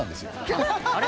あれ？